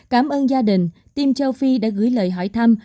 cảm ơn gia đình tim châu phi đã gửi lời hỏi thăm